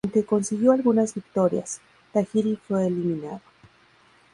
Aunque consiguió algunas victorias, Tajiri fue eliminado.